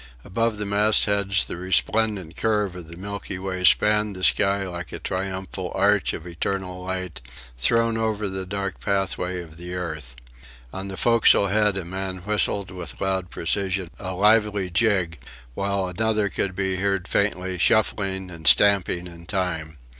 Above the mastheads the resplendent curve of the Milky Way spanned the sky like a triumphal arch of eternal light, thrown over the dark pathway of the earth. On the forecastle head a man whistled with loud precision a lively jig, while another could be heard faintly, shuffling and stamping in time.